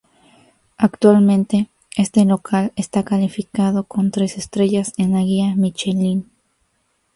Actualmente, este local está calificado con tres estrellas en la guía Michelín.